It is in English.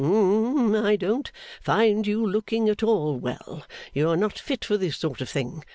Hum. I don't find you looking at all well. You are not fit for this sort of thing.